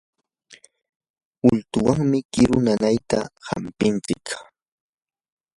ultuwanmi kiru nanayta hampikuntsik.